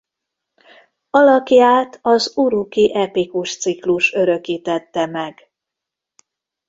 Alakját az uruki epikus ciklus örökítette meg.